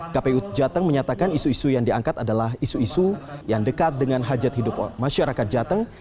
kpu jateng menyatakan isu isu yang diangkat adalah isu isu yang dekat dengan hajat hidup masyarakat jateng